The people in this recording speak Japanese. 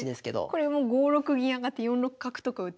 これも５六銀上がって４六角とか打てば。